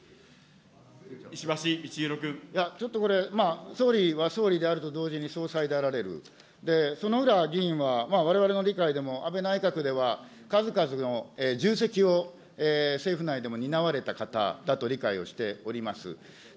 ちょっとこれ、総理は総理であると同時に総裁であられる、薗浦議員は、われわれの理解でも安倍内閣では、数々の重責を政府内でも担われた方だと理解をしております。